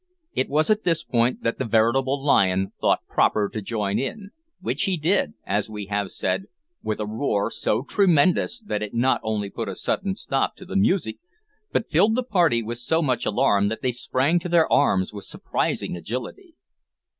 It was at this point that the veritable lion thought proper to join in, which he did, as we have said, with a roar so tremendous that it not only put a sudden stop to the music, but filled the party with so much alarm that they sprang to their arms with surprising agility.